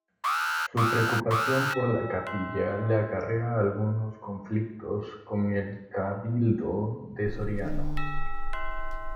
Su preocupación por la capilla le acarrea algunos conflictos con el Cabildo de Soriano.